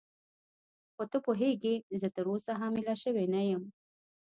خو ته پوهېږې زه تراوسه حامله شوې نه یم.